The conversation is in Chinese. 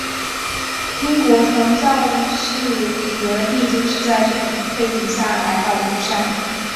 英国传教士李德立就是在这种背景下来到庐山。